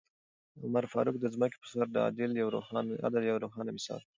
عمر فاروق د ځمکې په سر د عدل یو روښانه مثال و.